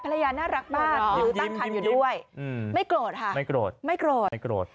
ภรรยาน่ารักมากคือตั้งทันอยู่ด้วยไม่โกรธค่ะไม่โกรธ